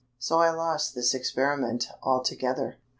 So I lost this experiment altogether.